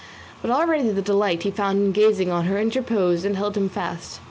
But already the delight he found in gazing on her interposed and held him fast.